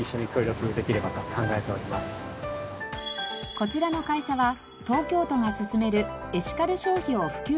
こちらの会社は東京都が進めるエシカル消費を普及させる取り組み